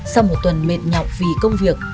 sau một tuần mệt nhọc vì công việc